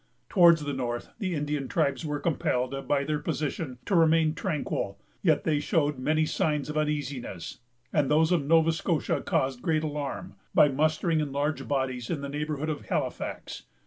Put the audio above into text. Towards the north, the Indian tribes were compelled, by their position, to remain tranquil, yet they showed many signs of uneasiness; and those of Nova Scotia caused great alarm, by mustering in large bodies in the neighborhood of Halifax.